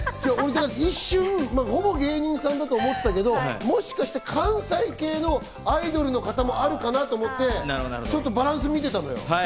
ほぼ芸人さんだと思ったけど、もしかしたら関西系のアイドルの方もあるかなと思ってちょっとバランス見てたのよ。